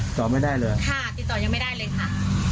ติดต่อยังไม่ได้เลยค่ะ